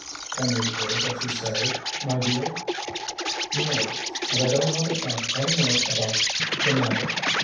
"Can you prove what you say, my dear?" "No. And I don't want to talk any more about the matter.